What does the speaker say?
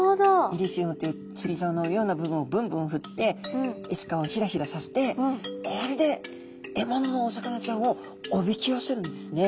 イリシウムっていう釣りざおのような部分をブンブンふってエスカをヒラヒラさせてこれで獲物のお魚ちゃんをおびき寄せるんですね。